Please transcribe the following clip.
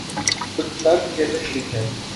وہ اقتدار کے کھیل میں شریک ہیں۔